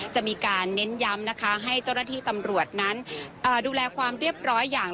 จะมีการเน้นย้ำนะคะให้เจ้าหน้าที่ตำรวจนั้นดูแลความเรียบร้อยอย่าง